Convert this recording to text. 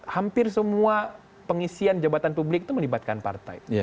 hampir semua pengisian jabatan publik itu melibatkan partai